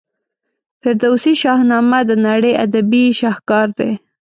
فردوسي شاهنامه د نړۍ ادبي شهکار دی.